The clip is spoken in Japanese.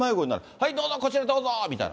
はい、どうぞ、こちらどうぞみたいな。